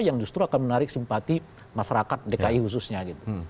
yang justru akan menarik simpati masyarakat dki khususnya gitu